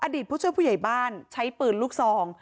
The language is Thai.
ผู้ช่วยผู้ใหญ่บ้านใช้ปืนลูกซอง